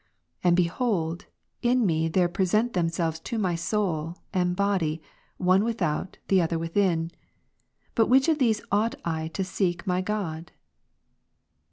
And behold, in me there present themselves to me soul, and body, one without, the other within. By which of these ovight I to seek my God